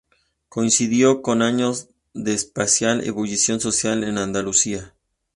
Coincidió con años de especial ebullición social en Andalucía.